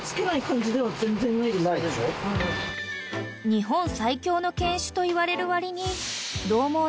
［日本最強の犬種といわれるわりに］